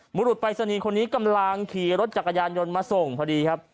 หมู่หลุดไปสนินคนนี้กำลังขี่รถจักรยานยนต์มาส่งพอดีครับ